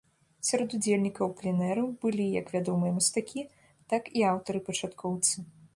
Сярод удзельнікаў пленэру былі як вядомыя мастакі, так і аўтары-пачаткоўцы.